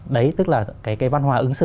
đấy tức là cái văn hóa ứng xử